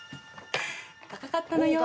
高かったのよ」